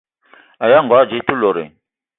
Aya ngogo dze te lot?